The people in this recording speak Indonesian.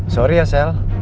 sorry ya sel